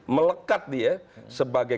melekat dia sebagai